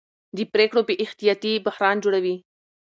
د پرېکړو بې احتیاطي بحران جوړوي